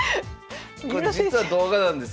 これ実は動画なんです。